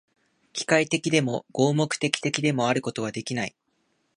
機械的でも、合目的的でもあることはできない。